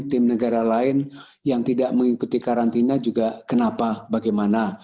tim negara lain yang tidak mengikuti karantina juga kenapa bagaimana